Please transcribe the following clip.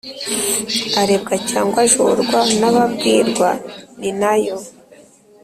arebwa cyangwa ajorwa n’ababwirwa, ni na yo